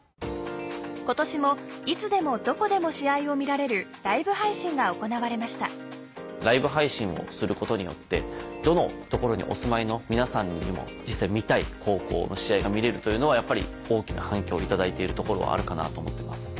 今年もいつでもどこでも試合を見られるライブ配信が行われましたライブ配信をすることによってどの所にお住まいの皆さんにも実際に見たい高校の試合が見れるというのはやっぱり大きな反響を頂いているところはあるかなと思ってます。